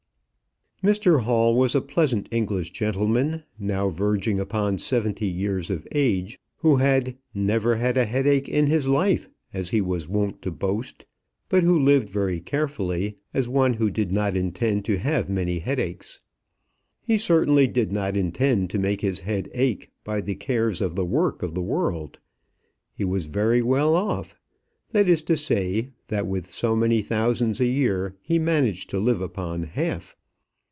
Mr Hall was a pleasant English gentleman, now verging upon seventy years of age, who had "never had a headache in his life," as he was wont to boast, but who lived very carefully, as one who did not intend to have many headaches. He certainly did not intend to make his head ache by the cares of the work of the world. He was very well off; that is to say, that with so many thousands a year, he managed to live upon half.